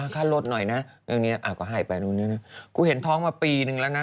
ค่ารถหน่อยนะเรื่องนี้ก็ให้ไปนู่นนี่นะกูเห็นท้องมาปีนึงแล้วนะ